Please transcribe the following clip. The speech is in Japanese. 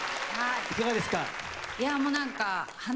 いかがですか？